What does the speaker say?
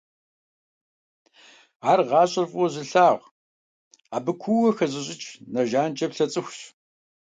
Ар гъащӀэр фӀыуэ зылъагъу, абы куууэ хэзыщӀыкӀ, нэ жанкӀэ плъэ цӀыхущ.